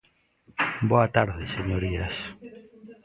Boa tarde, señorías.